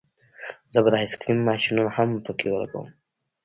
زه به د آیس کریم ماشینونه هم پکې ولګوم